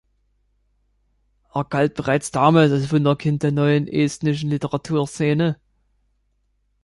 Er galt bereits damals als Wunderkind der neuen estnischen Literaturszene.